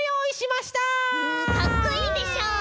かっこいいでしょ？